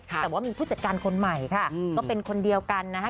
แต่ว่ามีผู้จัดการคนใหม่ค่ะก็เป็นคนเดียวกันนะคะ